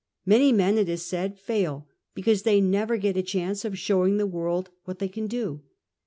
Many men, it is said, fail because they never get a chance of showing the world what they can do.